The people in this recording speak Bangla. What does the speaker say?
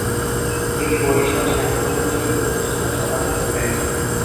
তিনি বরিশাল সাহিত্য পরিষদের প্রতিষ্ঠাতা সম্পাদক ছিলেন।